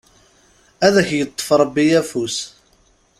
Ad ak-yeṭṭef Rebbi afus!